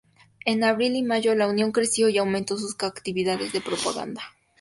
En abril y mayo la Unión creció y aumentó sus actividades de propaganda.